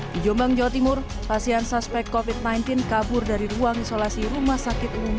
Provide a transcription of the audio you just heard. di jombang jawa timur pasien suspek covid sembilan belas kabur dari ruang isolasi rumah sakit umum